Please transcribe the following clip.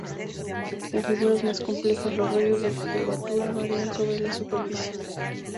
En figuras más complejas, los radios de curvatura varían sobre la superficie.